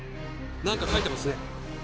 何か書いてますね。